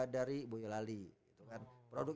dari boyolali gitu kan produk